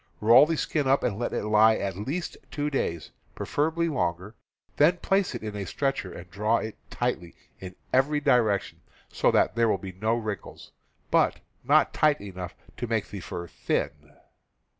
Roll the skin up and let it lie at least two days — preferably longer; then place it in a stretcher and draw it tightly in every direction, so that there will be no wrinkles, but not tightly enough to make the fur thin.